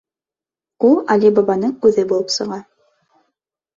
Ул Али Бабаның үҙе булып сыға.